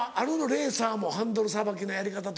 レーサーもハンドルさばきのやり方とか。